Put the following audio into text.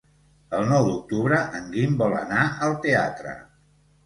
El nou d'octubre en Guim vol anar al teatre.